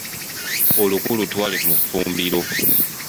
Oluku lutwale mu ffumbiro.